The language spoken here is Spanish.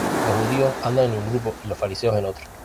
Los judíos andan en un grupo y los fariseos en otro.